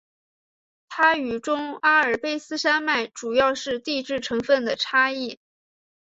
它与中阿尔卑斯山脉主要是地质成分的差异。